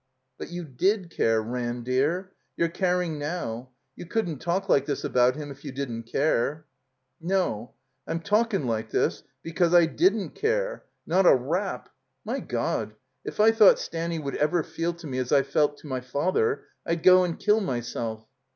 But you did care, Ran, dear. You're caring now. You couldn't talk like this about him if you didn't care." *'No. I'm talkin' like this — ^because I didn't care. Not a rap. My God! If I thought Stanny would ever feel to me as I felt to my father, I'd go and kill myself."